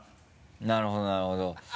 なるほどなるほど。